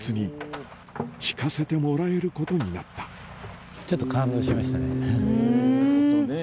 なんとちょっと感動しましたね。